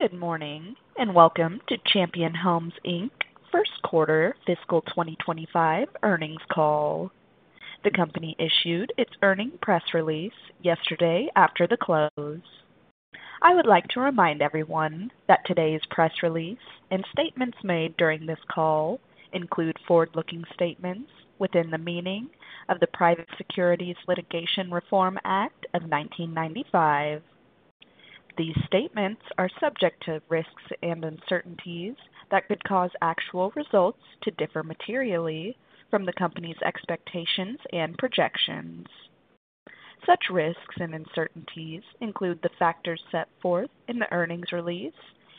Good morning and welcome to Champion Homes, Inc. First Quarter Fiscal 2025 earnings call. The company issued its earnings press release yesterday after the close. I would like to remind everyone that today's press release and statements made during this call include forward-looking statements within the meaning of the Private Securities Litigation Reform Act of 1995. These statements are subject to risks and uncertainties that could cause actual results to differ materially from the company's expectations and projections. Such risks and uncertainties include the factors set forth in the earnings release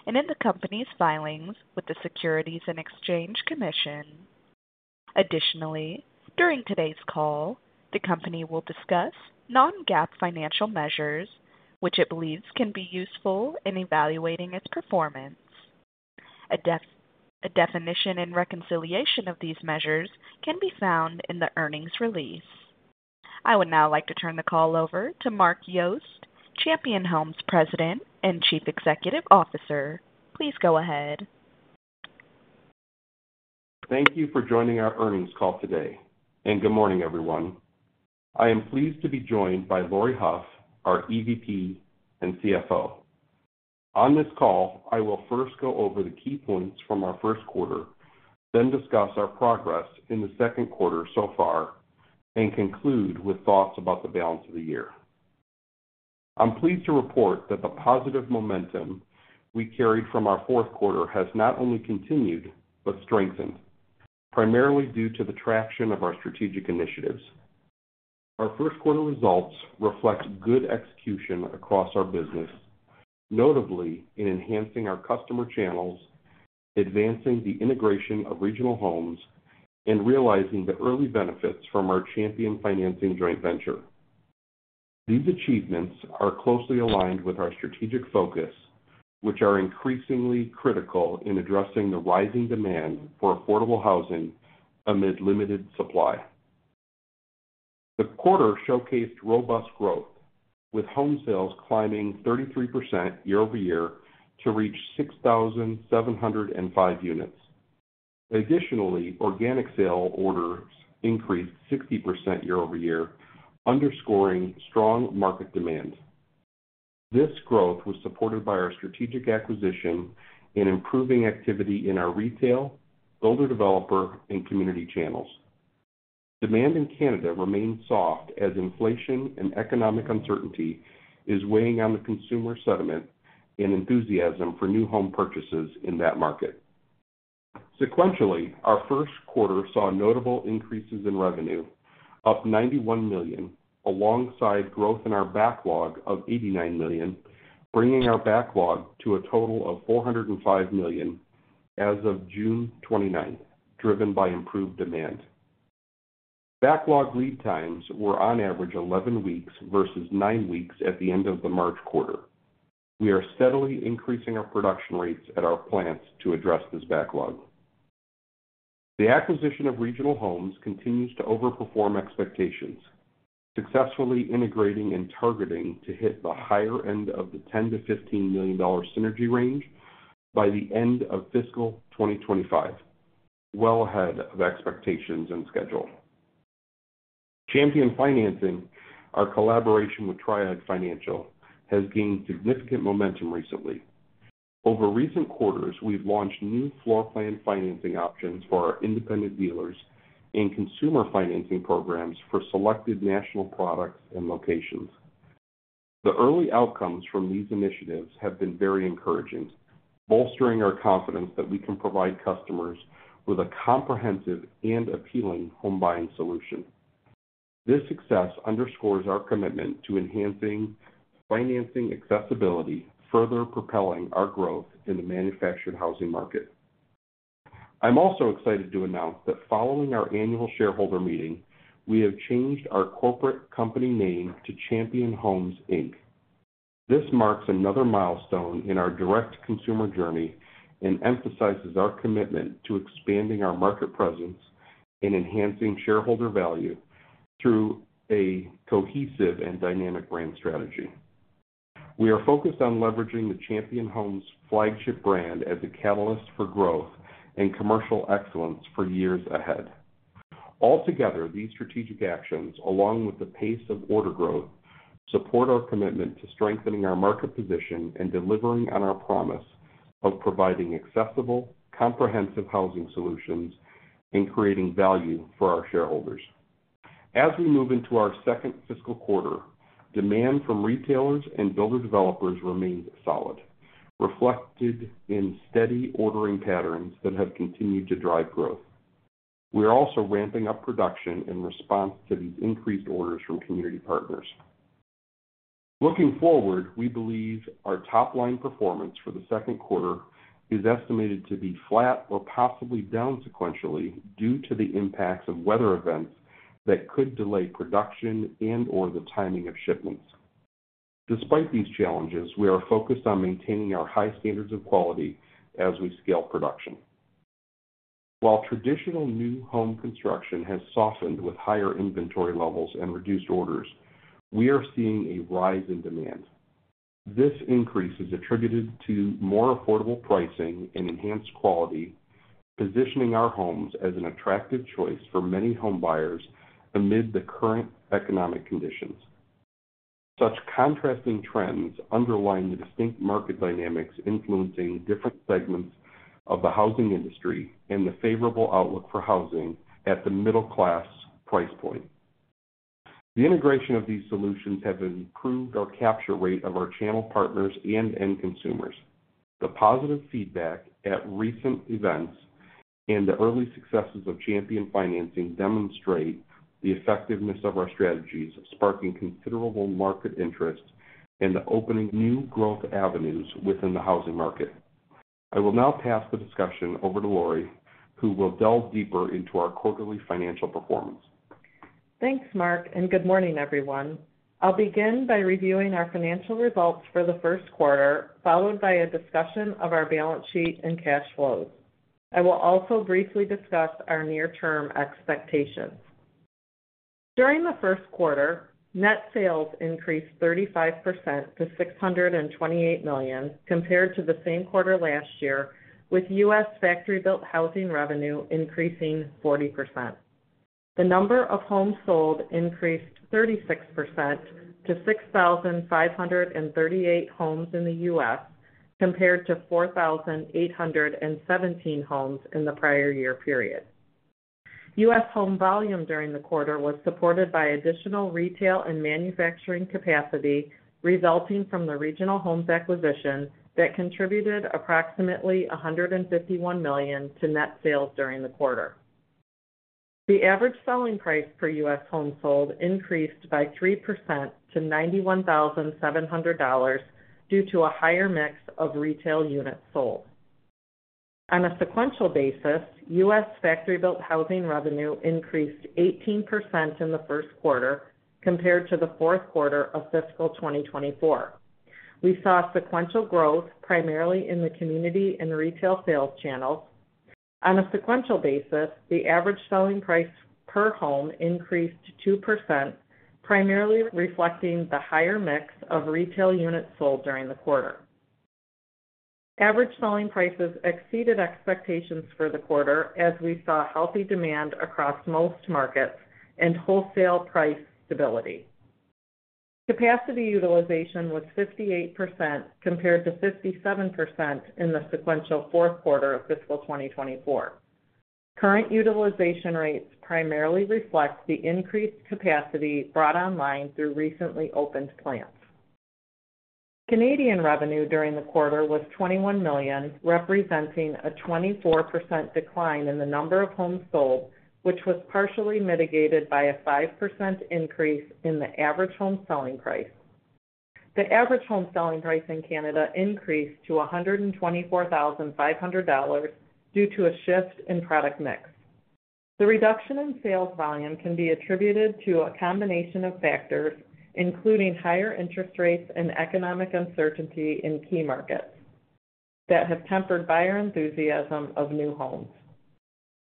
and in the company's filings with the Securities and Exchange Commission. Additionally, during today's call, the company will discuss non-GAAP financial measures, which it believes can be useful in evaluating its performance. A definition and reconciliation of these measures can be found in the earnings release. I would now like to turn the call over to Mark Yost, Champion Homes President and Chief Executive Officer. Please go ahead. Thank you for joining our earnings call today, and good morning, everyone. I am pleased to be joined by Laurie Hough, our EVP and CFO. On this call, I will first go over the key points from our first quarter, then discuss our progress in the second quarter so far, and conclude with thoughts about the balance of the year. I'm pleased to report that the positive momentum we carried from our fourth quarter has not only continued but strengthened, primarily due to the traction of our strategic initiatives. Our first quarter results reflect good execution across our business, notably in enhancing our customer channels, advancing the integration of Regional Homes, and realizing the early benefits from our Champion Financing joint venture. These achievements are closely aligned with our strategic focus, which are increasingly critical in addressing the rising demand for affordable housing amid limited supply. The quarter showcased robust growth, with home sales climbing 33% year-over-year to reach 6,705 units. Additionally, organic sale orders increased 60% year-over-year, underscoring strong market demand. This growth was supported by our strategic acquisition and improving activity in our retail, builder-developer, and community channels. Demand in Canada remained soft as inflation and economic uncertainty is weighing on the consumer sentiment and enthusiasm for new home purchases in that market. Sequentially, our first quarter saw notable increases in revenue, up $91 million, alongside growth in our backlog of $89 million, bringing our backlog to a total of $405 million as of June 29th, driven by improved demand. Backlog lead times were, on average, 11 weeks versus nine weeks at the end of the March quarter. We are steadily increasing our production rates at our plants to address this backlog. The acquisition of Regional Homes continues to overperform expectations, successfully integrating and targeting to hit the higher end of the $10 million-$15 million synergy range by the end of fiscal 2025, well ahead of expectations and schedule. Champion Financing, our collaboration with Triad Financial, has gained significant momentum recently. Over recent quarters, we've launched new floor plan financing options for our independent dealers and consumer financing programs for selected national products and locations. The early outcomes from these initiatives have been very encouraging, bolstering our confidence that we can provide customers with a comprehensive and appealing home buying solution. This success underscores our commitment to enhancing financing accessibility, further propelling our growth in the manufactured housing market. I'm also excited to announce that following our annual shareholder meeting, we have changed our corporate company name to Champion Homes, Inc. This marks another milestone in our direct consumer journey and emphasizes our commitment to expanding our market presence and enhancing shareholder value through a cohesive and dynamic brand strategy. We are focused on leveraging the Champion Homes flagship brand as a catalyst for growth and commercial excellence for years ahead. Altogether, these strategic actions, along with the pace of order growth, support our commitment to strengthening our market position and delivering on our promise of providing accessible, comprehensive housing solutions and creating value for our shareholders. As we move into our second fiscal quarter, demand from retailers and builder-developers remains solid, reflected in steady ordering patterns that have continued to drive growth. We are also ramping up production in response to these increased orders from community partners. Looking forward, we believe our top-line performance for the second quarter is estimated to be flat or possibly down sequentially due to the impacts of weather events that could delay production and/or the timing of shipments. Despite these challenges, we are focused on maintaining our high standards of quality as we scale production. While traditional new home construction has softened with higher inventory levels and reduced orders, we are seeing a rise in demand. This increase is attributed to more affordable pricing and enhanced quality, positioning our homes as an attractive choice for many home buyers amid the current economic conditions. Such contrasting trends underline the distinct market dynamics influencing different segments of the housing industry and the favorable outlook for housing at the middle-class price point. The integration of these solutions has improved our capture rate of our channel partners and end consumers. The positive feedback at recent events and the early successes of Champion Financing demonstrate the effectiveness of our strategies, sparking considerable market interest and opening new growth avenues within the housing market. I will now pass the discussion over to Laurie, who will delve deeper into our quarterly financial performance. Thanks, Mark, and good morning, everyone. I'll begin by reviewing our financial results for the first quarter, followed by a discussion of our balance sheet and cash flows. I will also briefly discuss our near-term expectations. During the first quarter, net sales increased 35% to $628 million, compared to the same quarter last year, with U.S. factory-built housing revenue increasing 40%. The number of homes sold increased 36% to 6,538 homes in the U.S., compared to 4,817 homes in the prior year period. U.S. home volume during the quarter was supported by additional retail and manufacturing capacity resulting from the Regional Homes acquisition that contributed approximately $151 million to net sales during the quarter. The average selling price per U.S. home sold increased by 3% to $91,700 due to a higher mix of retail units sold. On a sequential basis, U.S. Factory-built housing revenue increased 18% in the first quarter, compared to the fourth quarter of fiscal 2024. We saw sequential growth primarily in the community and retail sales channels. On a sequential basis, the average selling price per home increased 2%, primarily reflecting the higher mix of retail units sold during the quarter. Average selling prices exceeded expectations for the quarter, as we saw healthy demand across most markets and wholesale price stability. Capacity utilization was 58%, compared to 57% in the sequential fourth quarter of fiscal 2024. Current utilization rates primarily reflect the increased capacity brought online through recently opened plants. Canadian revenue during the quarter was $21 million, representing a 24% decline in the number of homes sold, which was partially mitigated by a 5% increase in the average home selling price. The average home selling price in Canada increased to $124,500 due to a shift in product mix. The reduction in sales volume can be attributed to a combination of factors, including higher interest rates and economic uncertainty in key markets, that have tempered buyer enthusiasm of new homes.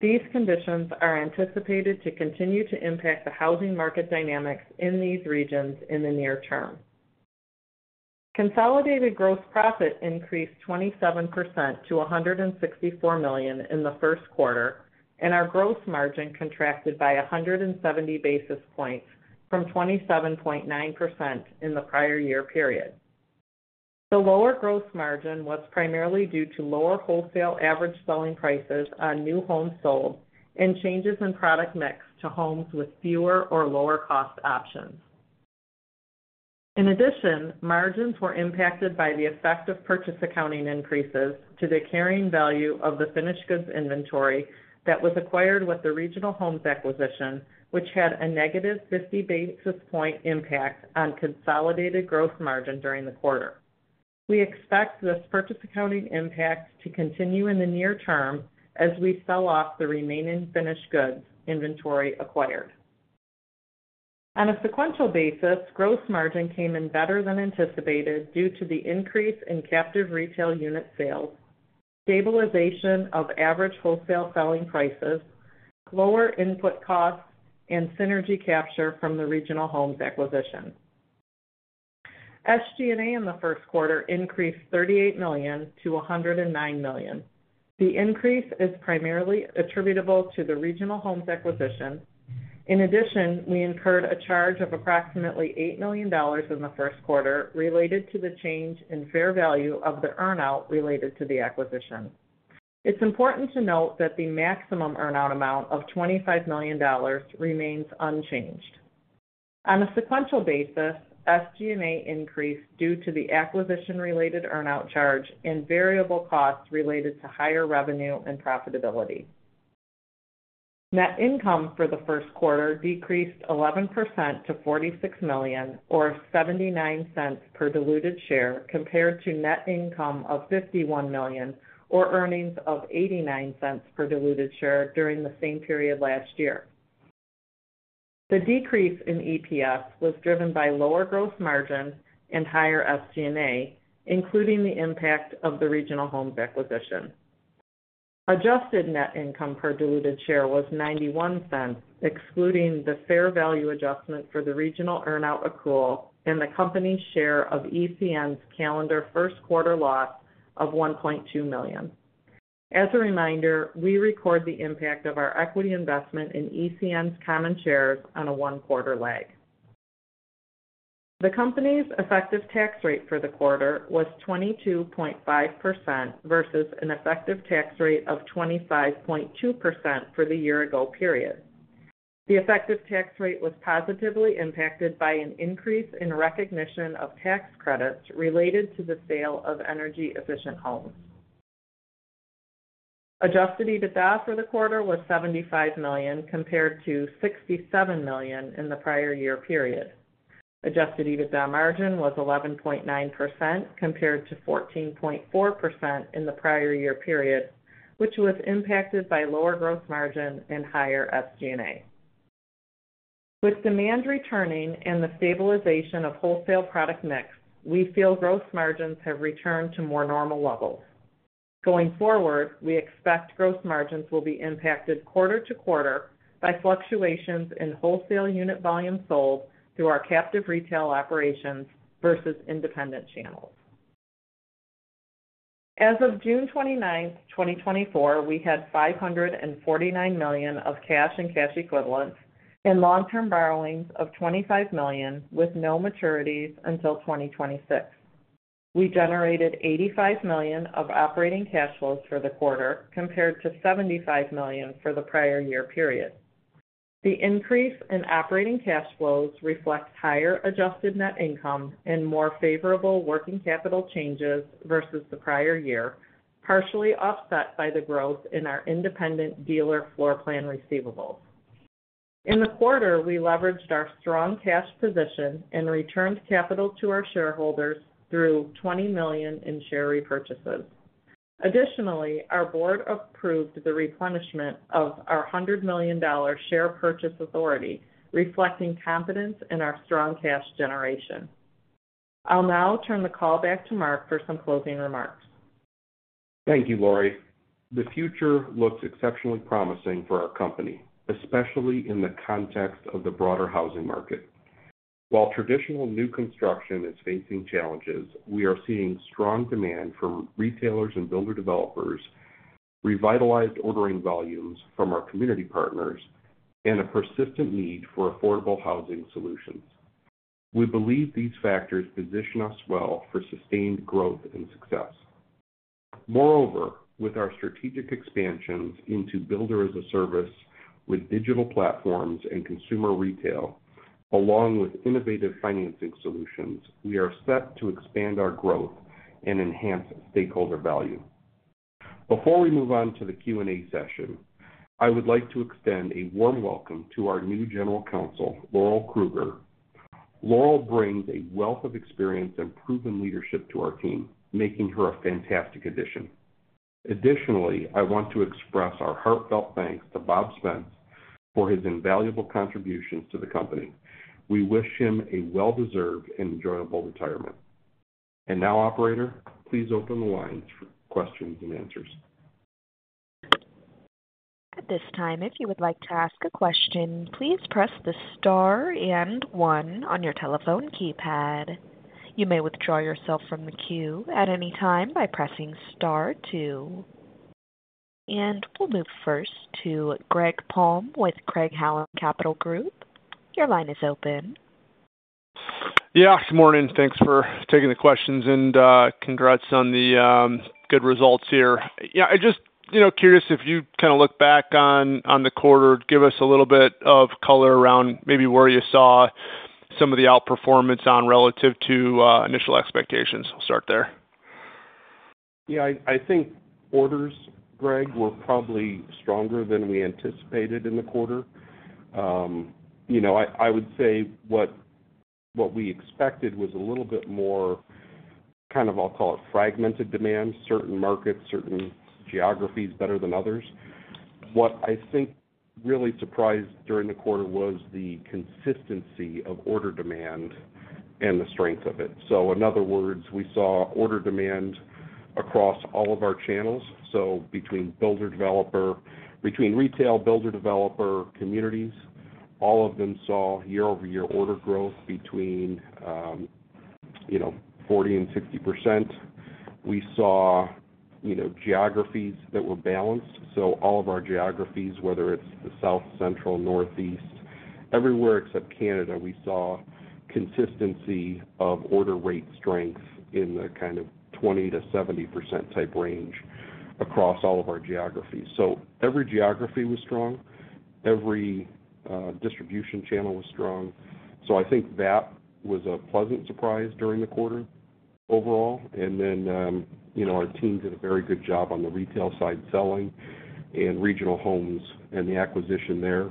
These conditions are anticipated to continue to impact the housing market dynamics in these regions in the near term. Consolidated gross profit increased 27% to $164 million in the first quarter, and our gross margin contracted by 170 basis points from 27.9% in the prior year period. The lower gross margin was primarily due to lower wholesale average selling prices on new homes sold and changes in product mix to homes with fewer or lower-cost options. In addition, margins were impacted by the effect of purchase accounting increases to the carrying value of the finished goods inventory that was acquired with the Regional Homes acquisition, which had a negative 50 basis point impact on consolidated gross margin during the quarter. We expect this purchase accounting impact to continue in the near term as we sell off the remaining finished goods inventory acquired. On a sequential basis, gross margin came in better than anticipated due to the increase in captive retail unit sales, stabilization of average wholesale selling prices, lower input costs, and synergy capture from the Regional Homes acquisition. SG&A in the first quarter increased $38 million-$109 million. The increase is primarily attributable to the Regional Homes acquisition. In addition, we incurred a charge of approximately $8 million in the first quarter related to the change in fair value of the earnout related to the acquisition. It's important to note that the maximum earnout amount of $25 million remains unchanged. On a sequential basis, SG&A increased due to the acquisition-related earnout charge and variable costs related to higher revenue and profitability. Net income for the first quarter decreased 11% to $46 million, or $0.79 per diluted share, compared to net income of $51 million, or earnings of $0.89 per diluted share during the same period last year. The decrease in EPS was driven by lower gross margin and higher SG&A, including the impact of the Regional Homes acquisition. Adjusted net income per diluted share was $0.91, excluding the fair value adjustment for the Regional earnout accrual and the company's share of ECN's calendar first quarter loss of $1.2 million. As a reminder, we record the impact of our equity investment in ECN's common shares on a one-quarter lag. The company's effective tax rate for the quarter was 22.5% versus an effective tax rate of 25.2% for the year-ago period. The effective tax rate was positively impacted by an increase in recognition of tax credits related to the sale of energy-efficient homes. Adjusted EBITDA for the quarter was $75 million, compared to $67 million in the prior year period. Adjusted EBITDA margin was 11.9%, compared to 14.4% in the prior year period, which was impacted by lower gross margin and higher SG&A. With demand returning and the stabilization of wholesale product mix, we feel gross margins have returned to more normal levels. Going forward, we expect gross margins will be impacted quarter to quarter by fluctuations in wholesale unit volume sold through our captive retail operations versus independent channels. As of June 29th, 2024, we had $549 million of cash and cash equivalents and long-term borrowings of $25 million, with no maturities until 2026. We generated $85 million of operating cash flows for the quarter, compared to $75 million for the prior year period. The increase in operating cash flows reflects higher adjusted net income and more favorable working capital changes versus the prior year, partially offset by the growth in our independent dealer floor plan receivables. In the quarter, we leveraged our strong cash position and returned capital to our shareholders through $20 million in share repurchases. Additionally, our board approved the replenishment of our $100 million share purchase authority, reflecting confidence in our strong cash generation. I'll now turn the call back to Mark for some closing remarks. Thank you, Laurie. The future looks exceptionally promising for our company, especially in the context of the broader housing market. While traditional new construction is facing challenges, we are seeing strong demand from retailers and builder-developers, revitalized ordering volumes from our community partners, and a persistent need for affordable housing solutions. We believe these factors position us well for sustained growth and success. Moreover, with our strategic expansions into Builder-as-a-Service with digital platforms and consumer retail, along with innovative financing solutions, we are set to expand our growth and enhance stakeholder value. Before we move on to the Q&A session, I would like to extend a warm welcome to our new General Counsel, Laurel Kruger. Laurel brings a wealth of experience and proven leadership to our team, making her a fantastic addition. Additionally, I want to express our heartfelt thanks to Bob Spence for his invaluable contributions to the company. We wish him a well-deserved and enjoyable retirement. Now, Operator, please open the lines for Q&A. At this time, if you would like to ask a question, please press the star and one on your telephone keypad. You may withdraw yourself from the queue at any time by pressing star two. We'll move first to Greg Palm with Craig-Hallum Capital Group. Your line is open. Yeah, good morning. Thanks for taking the questions and congrats on the good results here. Yeah, I'm just curious if you kind of look back on the quarter, give us a little bit of color around maybe where you saw some of the outperformance relative to initial expectations? I'll start there. Yeah, I think orders, Greg, were probably stronger than we anticipated in the quarter. I would say what we expected was a little bit more kind of, I'll call it, fragmented demand, certain markets, certain geographies better than others. What I think really surprised during the quarter was the consistency of order demand and the strength of it. So in other words, we saw order demand across all of our channels, so between builder-developer, between retail builder-developer communities, all of them saw year-over-year order growth between 40% and 60%. We saw geographies that were balanced. So all of our geographies, whether it's the South, Central, Northeast, everywhere except Canada, we saw consistency of order rate strength in the kind of 20%-70% type range across all of our geographies. So every geography was strong. Every distribution channel was strong. I think that was a pleasant surprise during the quarter overall. Then our team did a very good job on the retail side selling and Regional Homes, and the acquisition there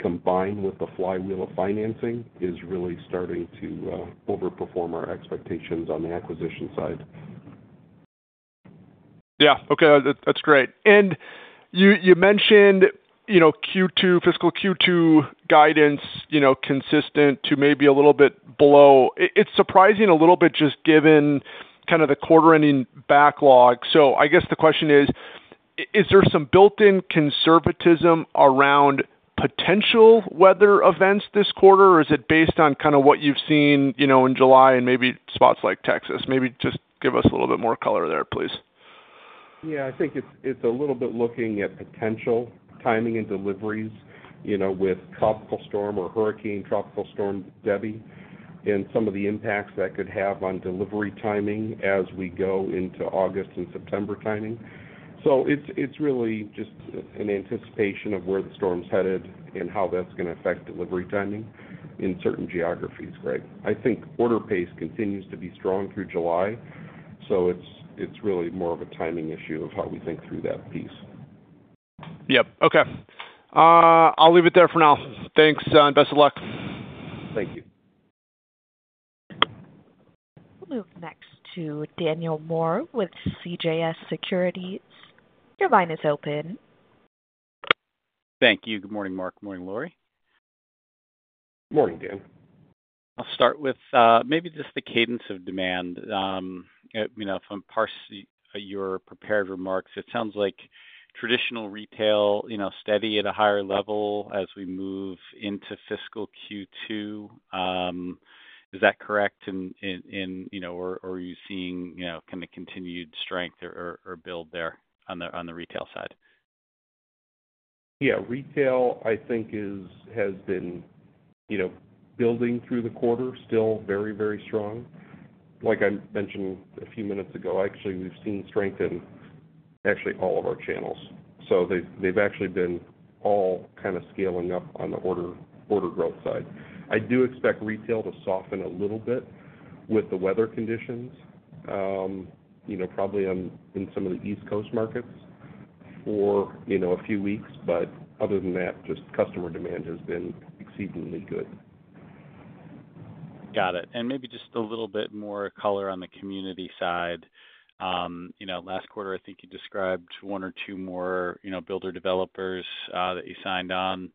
combined with the flywheel of financing is really starting to overperform our expectations on the acquisition side. Yeah. Okay. That's great. And you mentioned fiscal Q2 guidance consistent to maybe a little bit below. It's surprising a little bit just given kind of the quarter-ending backlog. So I guess the question is, is there some built-in conservatism around potential weather events this quarter, or is it based on kind of what you've seen in July and maybe spots like Texas? Maybe just give us a little bit more color there, please. Yeah. I think it's a little bit looking at potential timing and deliveries with tropical storm or hurricane tropical storm Debby and some of the impacts that could have on delivery timing as we go into August and September timing. So it's really just an anticipation of where the storm's headed and how that's going to affect delivery timing in certain geographies, Greg. I think order pace continues to be strong through July, so it's really more of a timing issue of how we think through that piece. Yep. Okay. I'll leave it there for now. Thanks and best of luck. Thank you. We'll move next to Daniel Moore with CJS Securities. Your line is open. Thank you. Good morning, Mark. Morning, Laurie. Morning, Dan. I'll start with maybe just the cadence of demand. From parts of your prepared remarks, it sounds like traditional retail steady at a higher level as we move into fiscal Q2. Is that correct? Or are you seeing kind of continued strength or build there on the retail side? Yeah. Retail, I think, has been building through the quarter, still very, very strong. Like I mentioned a few minutes ago, actually, we've seen strength in actually all of our channels. So they've actually been all kind of scaling up on the order growth side. I do expect retail to soften a little bit with the weather conditions, probably in some of the East Coast markets for a few weeks. But other than that, just customer demand has been exceedingly good. Got it. And maybe just a little bit more color on the community side. Last quarter, I think you described one or two more builder-developers that you signed on.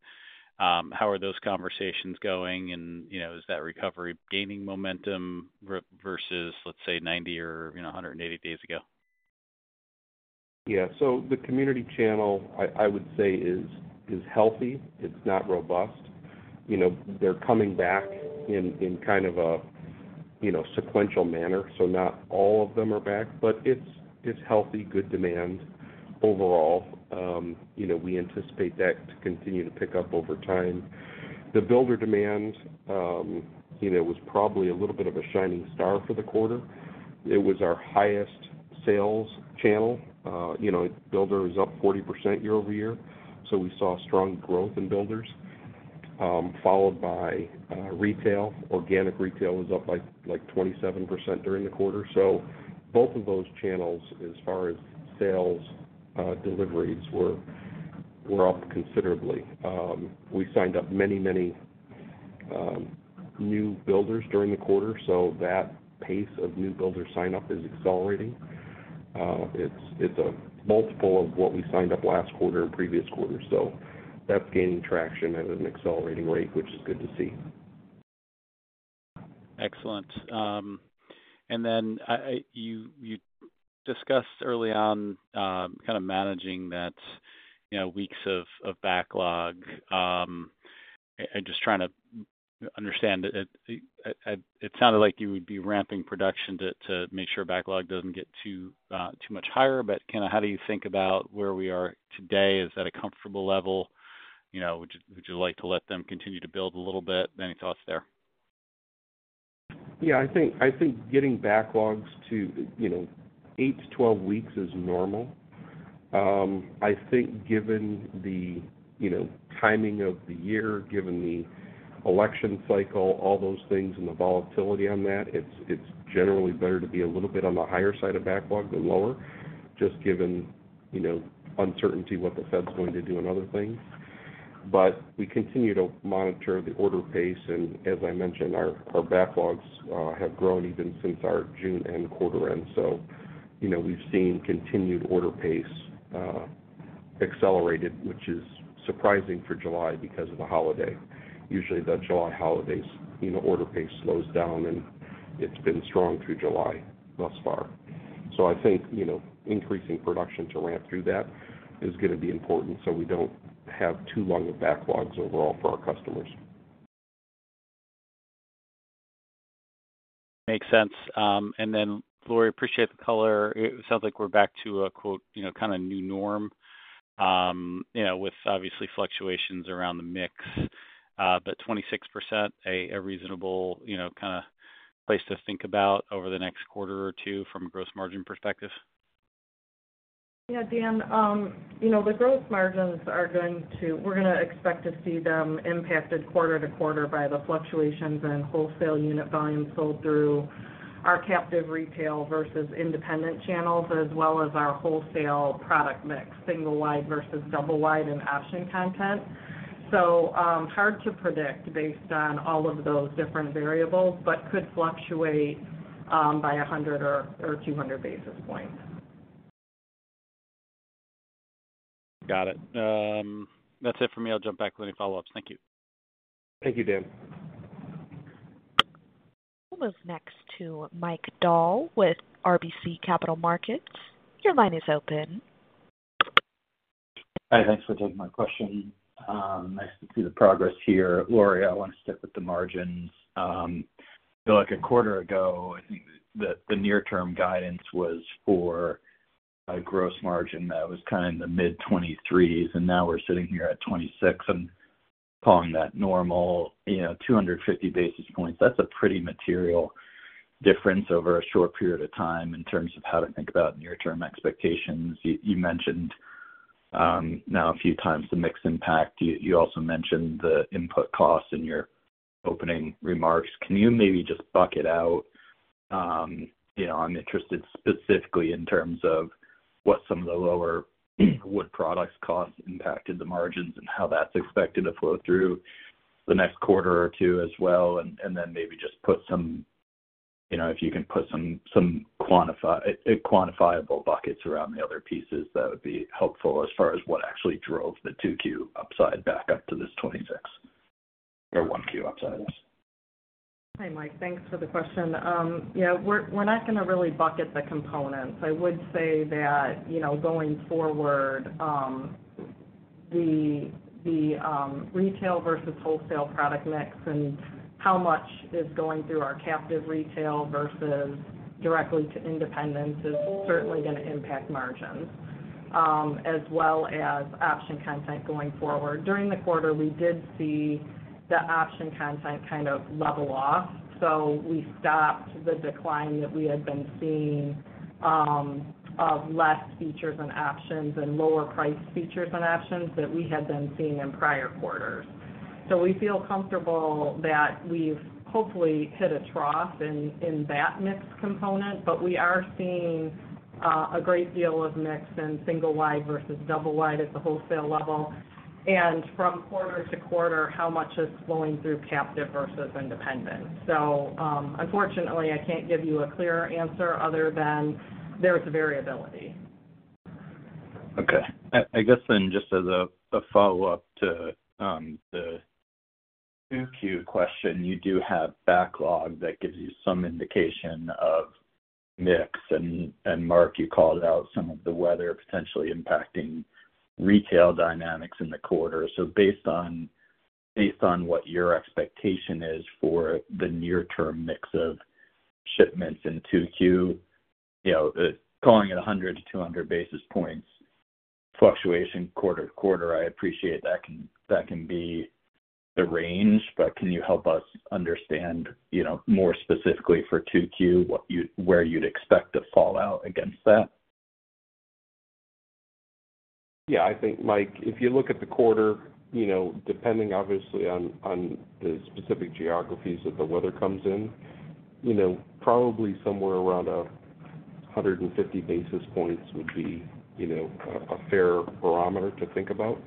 How are those conversations going? And is that recovery gaining momentum versus, let's say, 90 or 180 days ago? Yeah. So the community channel, I would say, is healthy. It's not robust. They're coming back in kind of a sequential manner, so not all of them are back, but it's healthy, good demand overall. We anticipate that to continue to pick up over time. The builder demand was probably a little bit of a shining star for the quarter. It was our highest sales channel. Builder is up 40% year-over-year. So we saw strong growth in builders, followed by retail. Organic retail was up like 27% during the quarter. So both of those channels, as far as sales deliveries, were up considerably. We signed up many, many new builders during the quarter, so that pace of new builder sign-up is accelerating. It's a multiple of what we signed up last quarter and previous quarter. So that's gaining traction at an accelerating rate, which is good to see. Excellent. Then you discussed early on kind of managing that weeks of backlog. I'm just trying to understand. It sounded like you would be ramping production to make sure backlog doesn't get too much higher. Kind of how do you think about where we are today? Is that a comfortable level? Would you like to let them continue to build a little bit? Any thoughts there? Yeah. I think getting backlogs to eight to 12 weeks is normal. I think given the timing of the year, given the election cycle, all those things, and the volatility on that, it's generally better to be a little bit on the higher side of backlog than lower, just given uncertainty what the Fed's going to do and other things. But we continue to monitor the order pace. And as I mentioned, our backlogs have grown even since our June-end quarter-end. So we've seen continued order pace accelerated, which is surprising for July because of the holiday. Usually, the July holidays, order pace slows down, and it's been strong through July thus far. So I think increasing production to ramp through that is going to be important so we don't have too long of backlogs overall for our customers. Makes sense. And then, Laurie, appreciate the color. It sounds like we're back to a "kind of new norm" with obviously fluctuations around the mix. But 26%, a reasonable kind of place to think about over the next quarter or two from a gross margin perspective? Yeah, Dan, the gross margins are going to. We're going to expect to see them impacted quarter to quarter by the fluctuations in wholesale unit volume sold through our captive retail versus independent channels, as well as our wholesale product mix, single-wide versus double-wide and option content. So hard to predict based on all of those different variables, but could fluctuate by 100 or 200 basis points. Got it. That's it for me. I'll jump back with any follow-ups. Thank you. Thank you, Dan. We'll move next to Mike Dahl with RBC Capital Markets. Your line is open. Hi. Thanks for taking my question. Nice to see the progress here. Laurie, I want to stick with the margins. I feel like a quarter ago, I think the near-term guidance was for a gross margin that was kind of in the mid-23s, and now we're sitting here at 26. I'm calling that normal. 250 basis points, that's a pretty material difference over a short period of time in terms of how to think about near-term expectations. You mentioned now a few times the mixed impact. You also mentioned the input costs in your opening remarks. Can you maybe just bucket out? I'm interested specifically in terms of what some of the lower wood products costs impacted the margins and how that's expected to flow through the next quarter or two as well. Then maybe just put some, if you can put some quantifiable buckets around the other pieces, that would be helpful as far as what actually drove the Q2 upside back up to this 26 or Q1 upside up. Hi, Mike. Thanks for the question. Yeah, we're not going to really bucket the components. I would say that going forward, the retail versus wholesale product mix and how much is going through our captive retail versus directly to independents is certainly going to impact margins, as well as option content going forward. During the quarter, we did see the option content kind of level off. So we stopped the decline that we had been seeing of less features and options and lower-priced features and options that we had been seeing in prior quarters. So we feel comfortable that we've hopefully hit a trough in that mix component, but we are seeing a great deal of mix in single-wide versus double-wide at the wholesale level. And from quarter to quarter, how much is flowing through captive versus independent? Unfortunately, I can't give you a clearer answer other than there's variability. Okay. I guess then just as a follow-up to the Q2 question, you do have backlog that gives you some indication of mix. And Mark, you called out some of the weather potentially impacting retail dynamics in the quarter. So based on what your expectation is for the near-term mix of shipments in Q2, calling it 100-200 basis points fluctuation quarter to quarter, I appreciate that can be the range. But can you help us understand more specifically for Q2 where you'd expect to fall out against that? Yeah. I think, Mike, if you look at the quarter, depending obviously on the specific geographies that the weather comes in, probably somewhere around 150 basis points would be a fair barometer to think about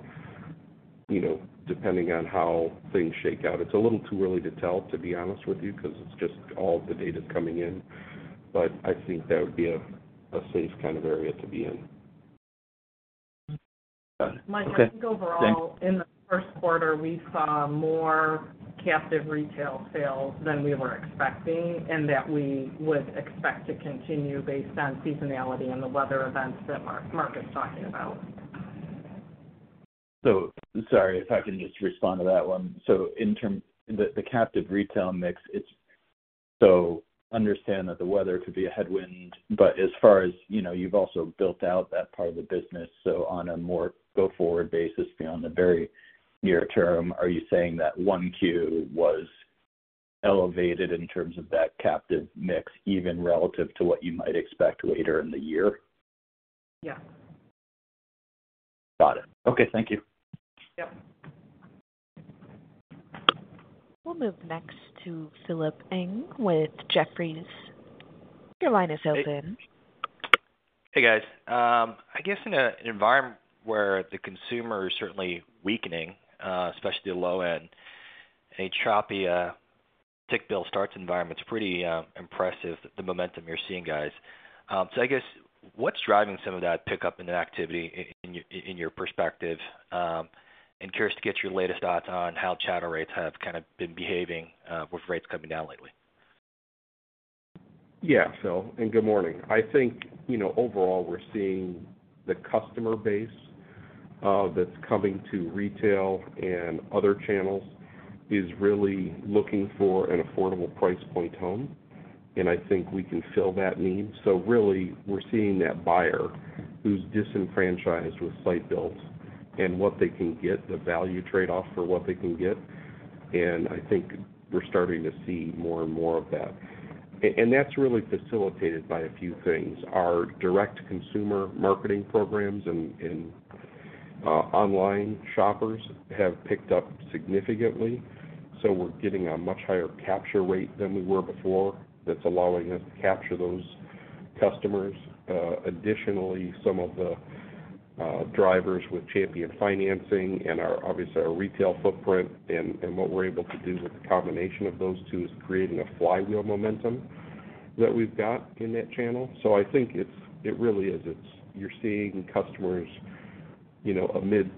depending on how things shake out. It's a little too early to tell, to be honest with you, because it's just all the data's coming in. But I think that would be a safe kind of area to be in. Got it. Thanks. Mike, I think overall, in the first quarter, we saw more captive retail sales than we were expecting and that we would expect to continue based on seasonality and the weather events that Mark is talking about. So, sorry if I can just respond to that one. So the captive retail mix. So, understand that the weather could be a headwind. But as far as you've also built out that part of the business, so on a more go-forward basis beyond the very near term, are you saying that Q1 was elevated in terms of that captive retail mix even relative to what you might expect later in the year? Yeah. Got it. Okay. Thank you. Yep. We'll move next to Philip Ng with Jefferies. Your line is open. Hey, guys. I guess in an environment where the consumer is certainly weakening, especially the low-end, a choppy retail starts environment's pretty impressive, the momentum you're seeing, guys. So I guess what's driving some of that pickup in activity in your perspective? And curious to get your latest thoughts on how capture rates have kind of been behaving with rates coming down lately. Yeah. Good morning. I think overall, we're seeing the customer base that's coming to retail and other channels is really looking for an affordable price point home. I think we can fill that need. Really, we're seeing that buyer who's disenfranchised with site builds and what they can get, the value trade-off for what they can get. I think we're starting to see more and more of that. That's really facilitated by a few things. Our direct consumer marketing programs and online shoppers have picked up significantly. We're getting a much higher capture rate than we were before. That's allowing us to capture those customers. Additionally, some of the drivers with Champion Financing and obviously our retail footprint and what we're able to do with the combination of those two is creating a flywheel momentum that we've got in that channel. I think it really is you're seeing customers amidst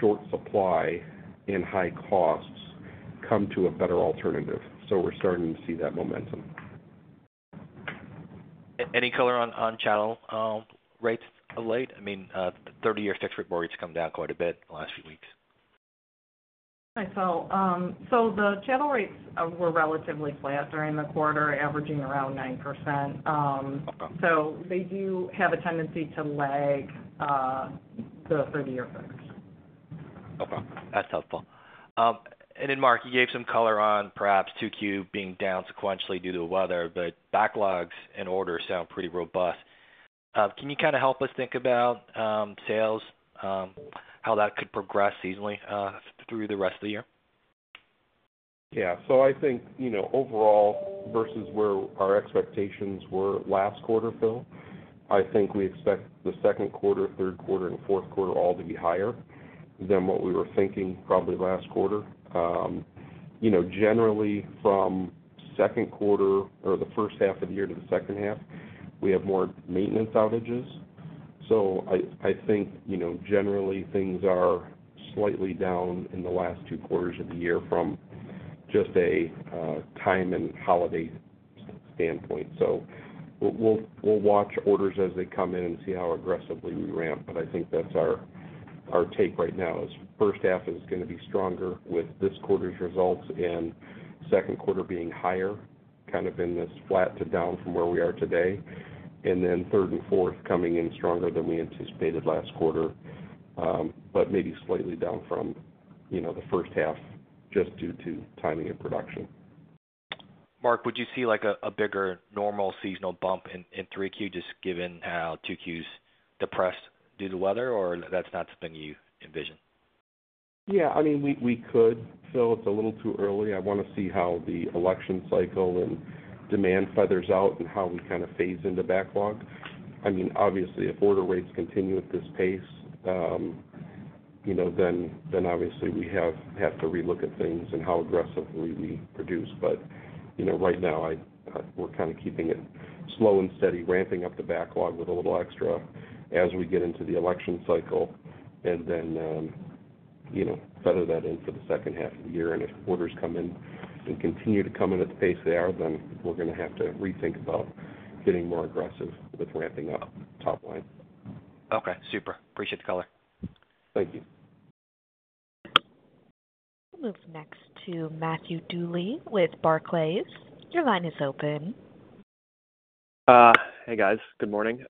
short supply and high costs come to a better alternative. We're starting to see that momentum. Any color on channel rates of late? I mean, 30-year fixed-rate mortgage come down quite a bit in the last few weeks. Hi. So the channel rates were relatively flat during the quarter, averaging around 9%. So they do have a tendency to lag the 30-year fixed. Okay. That's helpful. And then, Mark, you gave some color on perhaps Q2 being down sequentially due to the weather, but backlogs and orders sound pretty robust. Can you kind of help us think about sales, how that could progress easily through the rest of the year? Yeah. So I think overall versus where our expectations were last quarter, Phil, I think we expect the second quarter, third quarter, and fourth quarter all to be higher than what we were thinking probably last quarter. Generally, from second quarter or the first half of the year to the second half, we have more maintenance outages. So I think generally things are slightly down in the last two quarters of the year from just a time and holiday standpoint. So we'll watch orders as they come in and see how aggressively we ramp. But I think that's our take right now is first half is going to be stronger with this quarter's results and second quarter being higher kind of in this flat to down from where we are today. And then third and fourth coming in stronger than we anticipated last quarter, but maybe slightly down from the first half just due to timing of production. Mark, would you see a bigger normal seasonal bump in 3Q just given how Q2's depressed due to weather, or that's not something you envision? Yeah. I mean, we could. Phil, it's a little too early. I want to see how the election cycle and demand feathers out and how we kind of phase into backlog. I mean, obviously, if order rates continue at this pace, then obviously we have to relook at things and how aggressively we produce. But right now, we're kind of keeping it slow and steady, ramping up the backlog with a little extra as we get into the election cycle and then feather that in for the second half of the year. And if orders come in and continue to come in at the pace they are, then we're going to have to rethink about getting more aggressive with ramping up top line. Okay. Super. Appreciate the color. Thank you. We'll move next to Matthew Bouley with Barclays. Your line is open. Hey, guys. Good morning.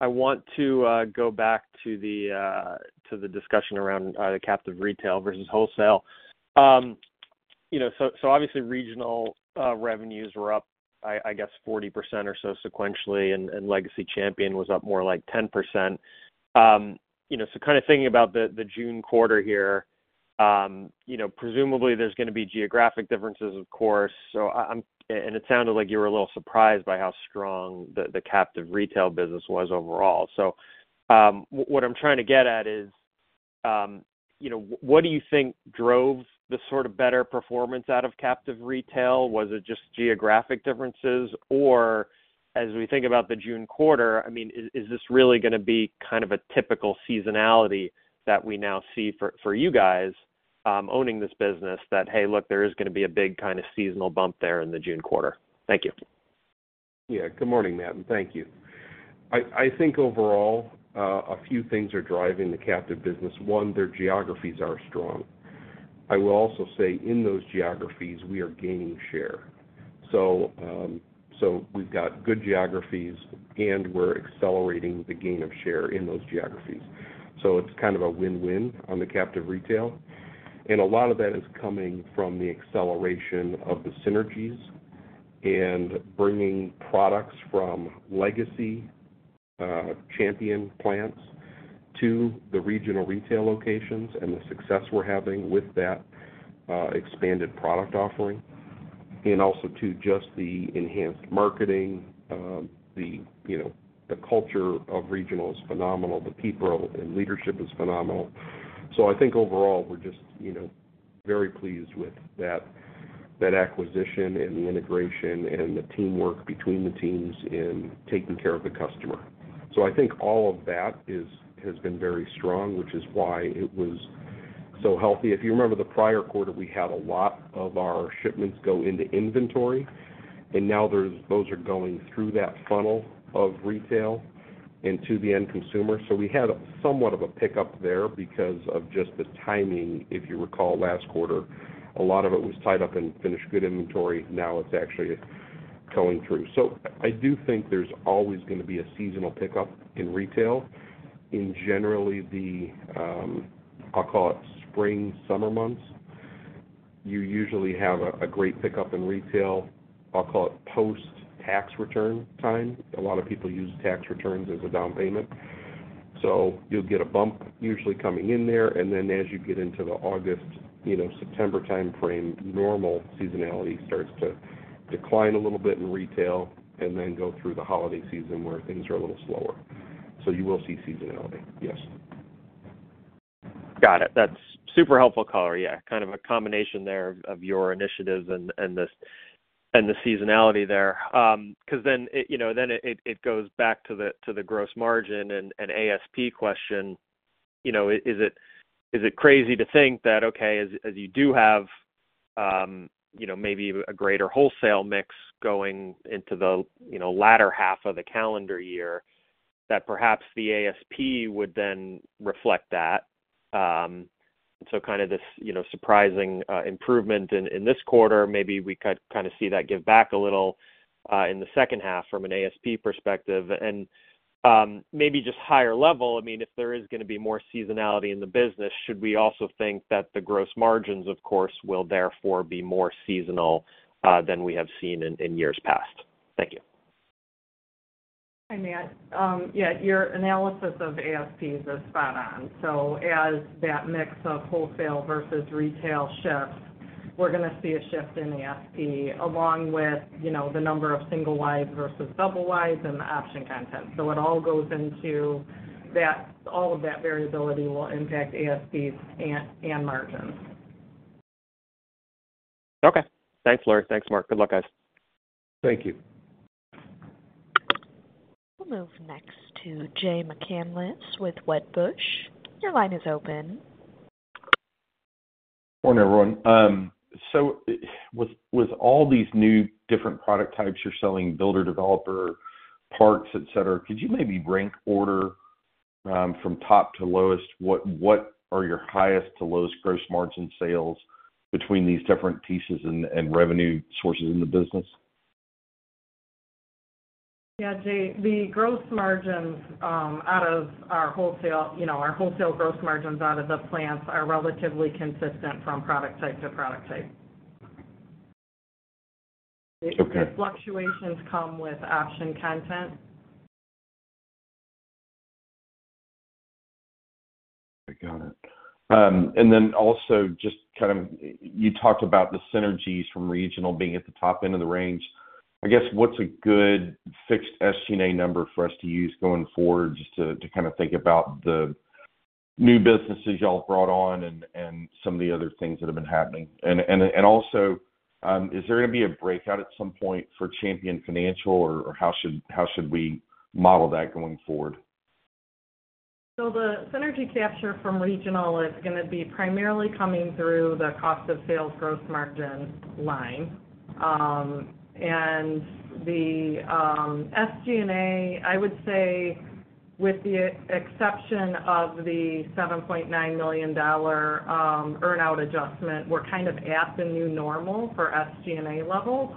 I want to go back to the discussion around the captive retail versus wholesale. So obviously, Regional revenues were up, I guess, 40% or so sequentially, and legacy Champion was up more like 10%. So kind of thinking about the June quarter here, presumably there's going to be geographic differences, of course. And it sounded like you were a little surprised by how strong the captive retail business was overall. So what I'm trying to get at is what do you think drove the sort of better performance out of captive retail? Was it just geographic differences? As we think about the June quarter, I mean, is this really going to be kind of a typical seasonality that we now see for you guys owning this business that, "Hey, look, there is going to be a big kind of seasonal bump there in the June quarter"? Thank you. Yeah. Good morning, Matt. And thank you. I think overall, a few things are driving the captive business. One, their geographies are strong. I will also say in those geographies, we are gaining share. So we've got good geographies, and we're accelerating the gain of share in those geographies. So it's kind of a win-win on the captive retail. And a lot of that is coming from the acceleration of the synergies and bringing products from legacy Champion plants to the Regional retail locations and the success we're having with that expanded product offering. And also to just the enhanced marketing, the culture of Regional is phenomenal. The people and leadership is phenomenal. So I think overall, we're just very pleased with that acquisition and the integration and the teamwork between the teams in taking care of the customer. So I think all of that has been very strong, which is why it was so healthy. If you remember the prior quarter, we had a lot of our shipments go into inventory, and now those are going through that funnel of retail and to the end consumer. So we had somewhat of a pickup there because of just the timing. If you recall last quarter, a lot of it was tied up in finished goods inventory. Now it's actually going through. So I do think there's always going to be a seasonal pickup in retail. In general, the, I'll call it spring, summer months, you usually have a great pickup in retail, I'll call it post-tax return time. A lot of people use tax returns as a down payment. So you'll get a bump usually coming in there. And then as you get into the August, September timeframe, normal seasonality starts to decline a little bit in retail and then go through the holiday season where things are a little slower. So you will see seasonality. Yes. Got it. That's super helpful color. Yeah. Kind of a combination there of your initiatives and the seasonality there. Because then it goes back to the gross margin and ASP question. Is it crazy to think that, okay, as you do have maybe a greater wholesale mix going into the latter half of the calendar year, that perhaps the ASP would then reflect that? So kind of this surprising improvement in this quarter, maybe we could kind of see that give back a little in the second half from an ASP perspective. And maybe just higher level, I mean, if there is going to be more seasonality in the business, should we also think that the gross margins, of course, will therefore be more seasonal than we have seen in years past? Thank you. Hi, Matt. Yeah. Your analysis of ASPs is spot on. So as that mix of wholesale versus retail shifts, we're going to see a shift in ASP along with the number of single-wide versus double-wide and the option content. So it all goes into that. All of that variability will impact ASPs and margins. Okay. Thanks, Laurie. Thanks, Mark. Good luck, guys. Thank you. We'll move next to Jay McCanless with Wedbush. Your line is open. Morning, everyone. With all these new different product types you're selling, builder, developer, parts, etc., could you maybe rank order from top to lowest? What are your highest to lowest gross margin sales between these different pieces and revenue sources in the business? Yeah. The gross margins out of our wholesale gross margins out of the plants are relatively consistent from product type to product type. The fluctuations come with option content. I got it. And then also just kind of you talked about the synergies from Regional being at the top end of the range. I guess what's a good fixed SG&A number for us to use going forward just to kind of think about the new businesses y'all brought on and some of the other things that have been happening? And also, is there going to be a breakout at some point for Champion Financing, or how should we model that going forward? The synergy capture from Regional is going to be primarily coming through the cost of sales gross margin line. The SG&A, I would say with the exception of the $7.9 million earn-out adjustment, we're kind of at the new normal for SG&A levels.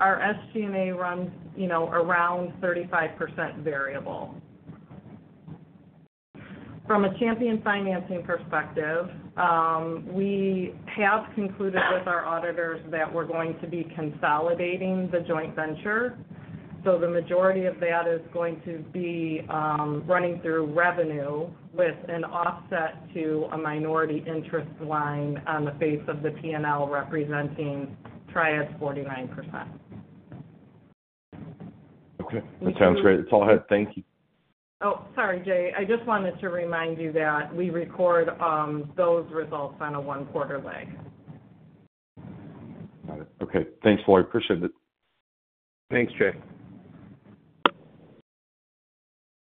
Our SG&A runs around 35% variable. From a Champion Financing perspective, we have concluded with our auditors that we're going to be consolidating the joint venture. The majority of that is going to be running through revenue with an offset to a minority interest line on the face of the P&L representing Triad's 49%. Okay. That sounds great. That's all I had. Thank you. Oh, sorry, Jay. I just wanted to remind you that we record those results on a one-quarter lag. Got it. Okay. Thanks, Laurie. Appreciate it. Thanks, Jay.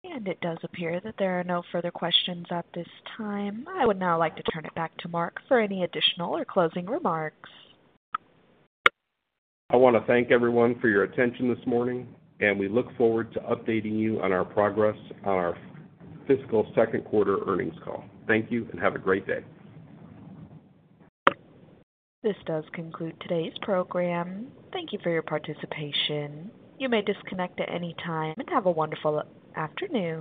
It does appear that there are no further questions at this time. I would now like to turn it back to Mark for any additional or closing remarks. I want to thank everyone for your attention this morning, and we look forward to updating you on our progress on our fiscal second quarter earnings call. Thank you and have a great day. This does conclude today's program. Thank you for your participation. You may disconnect at any time and have a wonderful afternoon.